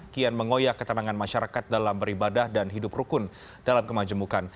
kian mengoyak ketenangan masyarakat dalam beribadah dan hidup rukun dalam kemajemukan